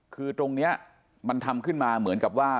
คือตรงนี้มันทำขึ้นมาเหมือนกับว่า